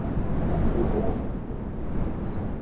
Wanandoa walisafiri marekani